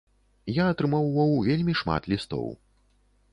Я атрымоўваў вельмі шмат лістоў.